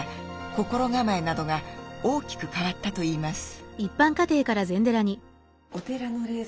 心構えなどが大きく変わったといいます。